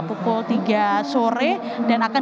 pukul tiga sore dan akan